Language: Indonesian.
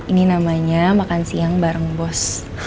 ini namanya makan siang bareng bos